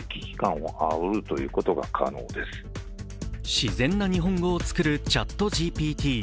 自然な日本語を作るＣｈａｔＧＰＴ。